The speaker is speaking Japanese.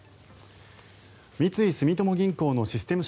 三井住友銀行のシステム